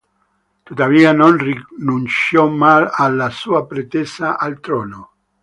Tuttavia non rinunciò mai alla sua pretesa al trono.